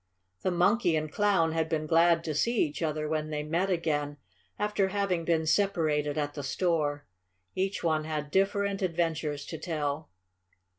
The Monkey and Clown had been glad to see each other when they met again after having been separated at the store. Each one had different adventures to tell.